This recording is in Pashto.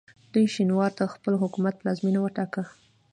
دوی شینوار د خپل حکومت پلازمینه وټاکه.